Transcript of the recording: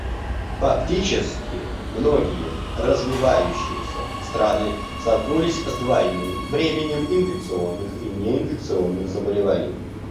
Фактически, многие развивающиеся страны столкнулись с двойным бременем инфекционных и неинфекционных заболеваний.